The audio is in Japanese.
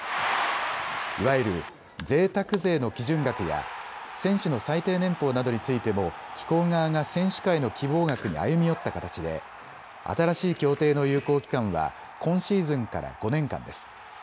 いわゆるぜいたく税の基準額や選手の最低年俸などについても機構側が選手会の希望額に歩み寄った形で新しい協定の有効期間は今シーズンから５年間です。